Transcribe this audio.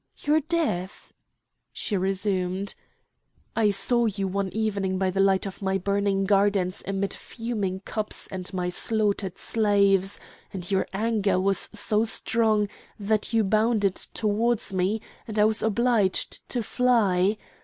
"Your death!" She resumed: "I saw you one evening by the light of my burning gardens amid fuming cups and my slaughtered slaves, and your anger was so strong that you bounded towards me and I was obliged to fly!